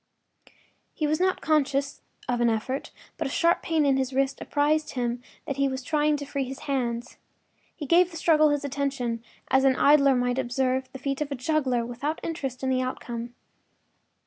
” He was not conscious of an effort, but a sharp pain in his wrist apprised him that he was trying to free his hands. He gave the struggle his attention, as an idler might observe the feat of a juggler, without interest in the outcome.